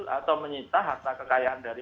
atau menyita harta kekayaan dari